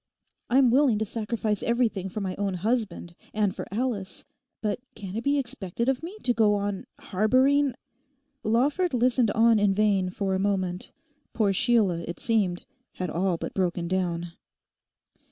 I'm willing to sacrifice everything for my own husband and for Alice; but can it be expected of me to go on harbouring....' Lawford listened on in vain for a moment; poor Sheila, it seemed, had all but broken down.